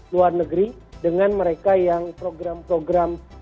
luar negeri dengan mereka yang program program